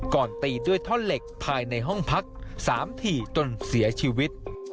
ตีด้วยท่อนเหล็กภายในห้องพัก๓ถี่จนเสียชีวิต